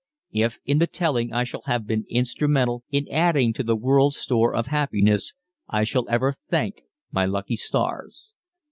If, in the telling I shall have been instrumental in adding to the world's store of happiness I shall ever thank my "lucky stars."